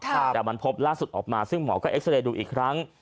แต่มันพบล่าสุดออกมาซึ่งหมอก็เอ็กซาเรย์ดูอีกครั้ง